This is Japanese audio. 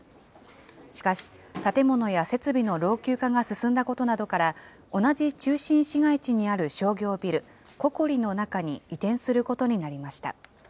しかし、建物や設備の老朽化が進んだことなどから、同じ中心市街地にある商業ビル、ココリの中に移転することになりました。